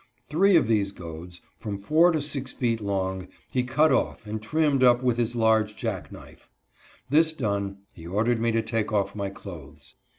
Three of these goads, from four to six feet long, he cut off and trimmed up with his large jack knife. This done, he ordered me to take off my clothes.